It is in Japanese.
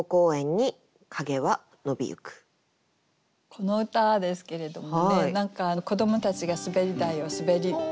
この歌ですけれどもね何か子どもたちが滑り台をすべってる。